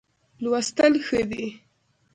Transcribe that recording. لوستل ښه دی.